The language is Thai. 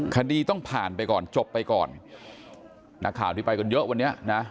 คดีต้องผ่านไปก่อนจบไปก่อนนักข่าวที่ไปกันเยอะวันนี้นะ